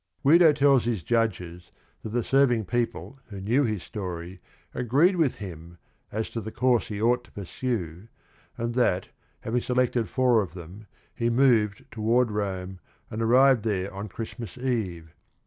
" Guido tells his judges that the serving people who knew his story agreed with him as to the course he ought to pursue and that having selected four of them, he moved toward Rome and arrived there on Christmas Eve.